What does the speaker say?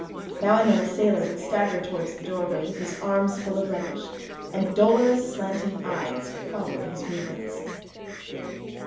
Now and then a sailor would stagger towards the doorway with his arms full of rubbish; and dolorous, slanting eyes followed his movements.